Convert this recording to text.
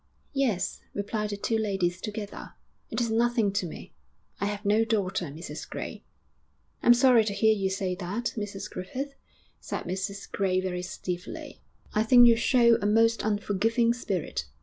'Yes,' replied the two ladies together. 'It is nothing to me.... I have no daughter, Mrs Gray.' 'I'm sorry to hear you say that, Mrs Griffith,' said Mrs Gray very stiffly. 'I think you show a most unforgiving spirit.'